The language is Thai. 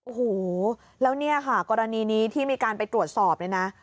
โอ้โหแล้วเนี่ยค่ะกรณีนี้ที่มีการไปตรวจสอบเนี่ยนะ